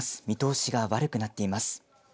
見通しが悪くなっています。